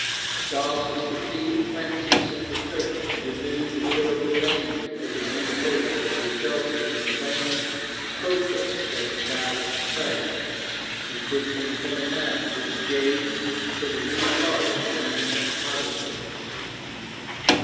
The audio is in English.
Charles's defeat of Francis and the Turks renewed the terrible danger to the new faith and resulted in the famous Protest at the Diet of Speyer in 1529 which gave to the new party the name of Protestants.